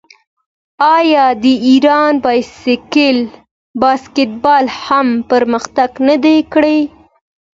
آیا د ایران باسکیټبال هم پرمختګ نه دی کړی؟